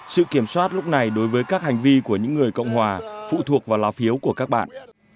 sự kiểm soát lúc này đối với các hành vi của những người cộng hòa phụ thuộc vào lá phiếu của các bạn